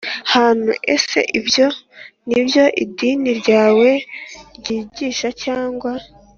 hantu Ese ibyo ni byo idini ryawe ryigisha cyangwa